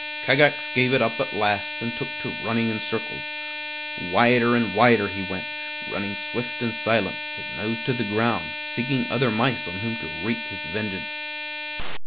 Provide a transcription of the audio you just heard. Kagax gave it up at last and took to running in circles. Wider and wider he went, running swift and silent, his nose to the ground, seeking other mice on whom to wreak his vengeance.